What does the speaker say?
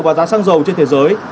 vào giá xăng dầu trên thế giới